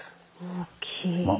大きい。